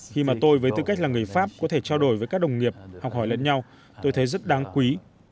khi mà tôi với tư cách là người pháp có thể trao đổi với các đồng nghiệp học hỏi lẫn nhau tôi thấy rất đáng quý